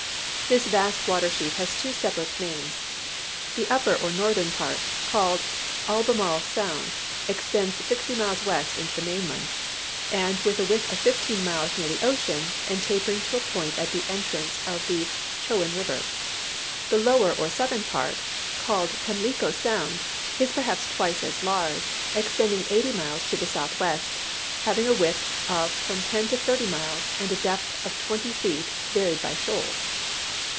This vast water sheet has two separate names. The upper or northern part, called Albe marle Sound, extends sixty miles west into the mainland, with a width of fifteen miles near the ocean and tapering to a point at the entrance of the Chowan River. The lower or southern part, called Pamlico Sound, is perhaps twice as large, extending eighty miles to the southwest, having a width of from ten to thirty miles and a depth of twenty feet varied by shoals.